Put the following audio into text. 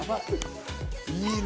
いいね。